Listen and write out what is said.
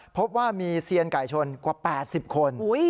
พบว่ามีเซียนไก่ชนกว่า๘๐คน